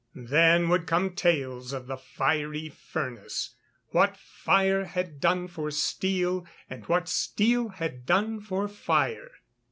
Then would come tales of the fiery furnace, what Fire had done for Steel, and what Steel had done for Fire.